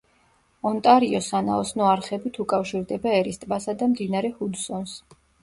ონტარიო სანაოსნო არხებით უკავშირდება ერის ტბასა და მდინარე ჰუდსონს.